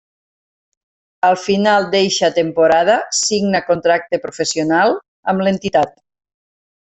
Al final d'eixa temporada signa contracte professional amb l'entitat.